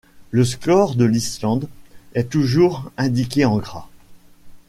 Le score de l'Islande est toujours indiqué en gras.